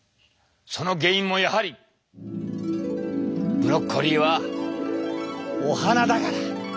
その原因もやはりブロッコリーはお花だから！